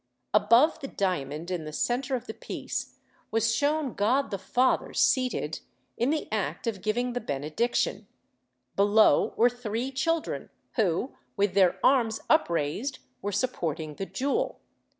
Above the diamond, in the centre of the piece, was shown God the Father seated, in the act of giving the benediction; below were three children, who, with their arms upraised, were supporting the jewel.